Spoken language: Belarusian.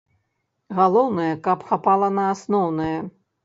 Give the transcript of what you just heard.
Галоўнае, каб хапала на асноўнае.